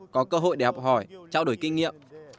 có cơ hội để học hỏi trao đổi kinh nghiệm